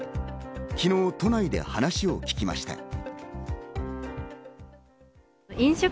昨日、都内で話を聞きました。